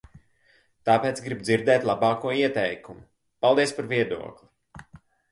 Tāpēc gribu dzirdēt labāko ieteikumu. Paldies par viedokli!